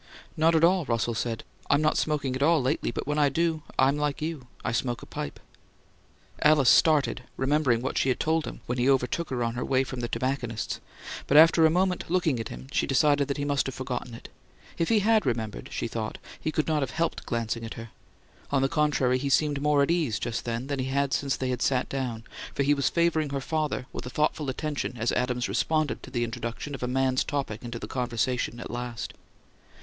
"Not at all," Russell said. "I'm not smoking at all lately; but when I do, I'm like you, and smoke a pipe." Alice started, remembering what she had told him when he overtook her on her way from the tobacconist's; but, after a moment, looking at him, she decided that he must have forgotten it. If he had remembered, she thought, he could not have helped glancing at her. On the contrary, he seemed more at ease, just then, than he had since they sat down, for he was favouring her father with a thoughtful attention as Adams responded to the introduction of a man's topic into the conversation at last.